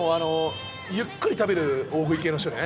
ゆっくり食べる大食い系の人ね。